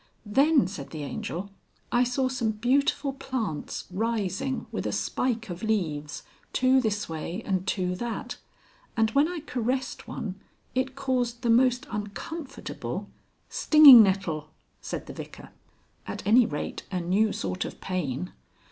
"Then," said the Angel, "I saw some beautiful plants rising with a spike of leaves, two this way and two that, and when I caressed one it caused the most uncomfortable " "Stinging nettle!" said the Vicar. "At any rate a new sort of pain.